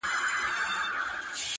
هغه سړی کلونه پس دی. راوتلی ښار ته.